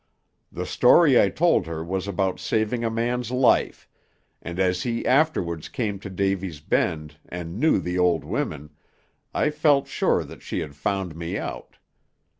The story I told her was about saving a man's life, and as he afterwards came to Davy's Bend, and knew the old womern, I felt sure that she had found me out.